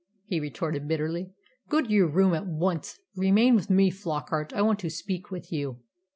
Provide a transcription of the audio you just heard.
he retorted bitterly. "Go to your room at once. Remain with me, Flockart. I want to speak to you."